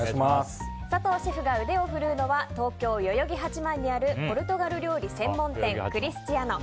佐藤シェフが腕を振るうのは東京・代々木八幡にあるポルトガル料理専門店クリスチアノ。